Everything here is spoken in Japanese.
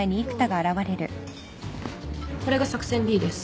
これが作戦 Ｂ です